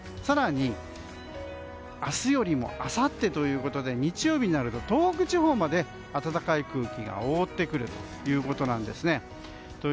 更に、明日よりもあさってということで日曜日になると東北地方まで暖かい空気が覆ってくるということなんですね。